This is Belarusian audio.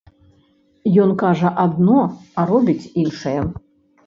Ён кажа адно, а робіць іншае.